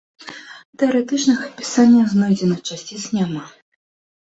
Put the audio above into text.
Тэарэтычнага апісання знойдзеных часціц няма.